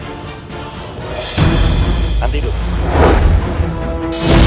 izinkan aku masuk